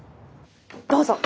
どうぞ。